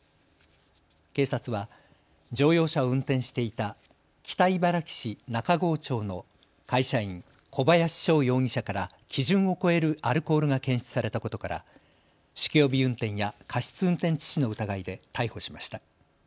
警察は乗用車を運転していた北茨城市中郷町の会社員、小林翔容疑者から基準を超えるアルコールが検出されたことから酒気帯び運転や過失運転致死の疑いで逮捕しました。